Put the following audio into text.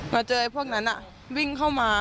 มาเจอไอ้พวกนั้นอ่ะวิ่งเข้ามา